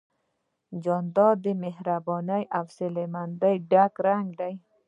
جانداد د مهربانۍ او حوصلهمندۍ ګډ رنګ دی.